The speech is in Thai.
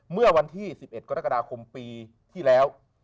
เมื่อวันที่๑๑กรกฎาคมปีที่แล้ว